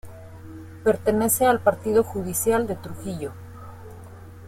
Pertenece al partido judicial de Trujillo.